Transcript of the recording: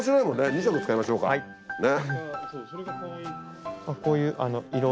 ２色使いましょうかね！